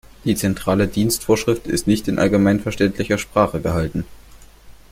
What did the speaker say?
Die Zentrale Dienstvorschrift ist nicht in allgemeinverständlicher Sprache gehalten.